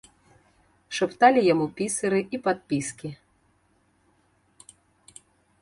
Шапталі яму пісары і падпіскі.